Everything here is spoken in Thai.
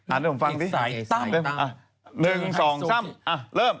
๑๒๓อ่ะเริ่ม